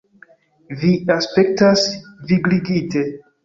Vi aspektas vigligite.